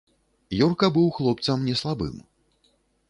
Юрка быў хлопцам не слабым.